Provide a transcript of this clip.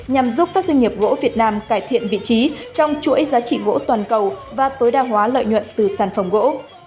nhằm giúp các doanh nghiệp gỗ việt nam cải thiện vị trí trong chuỗi giá trị gỗ toàn cầu và tối đa hóa lợi nhuận từ sản phẩm gỗ